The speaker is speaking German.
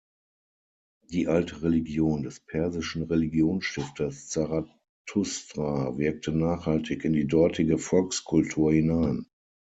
Die alte Religion des persischen Religionsstifters Zarathustra wirkte nachhaltig in die dortige Volkskultur hinein.